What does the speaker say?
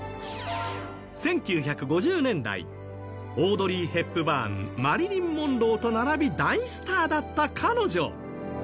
１９５０年代オードリー・ヘプバーンマリリン・モンローと並び大スターだった彼女。